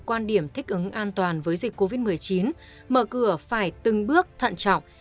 quan điểm thích ứng an toàn với dịch covid một mươi chín mở cửa phải từng bước thận trọng